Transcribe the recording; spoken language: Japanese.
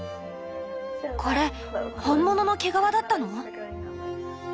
これ本物の毛皮だったの？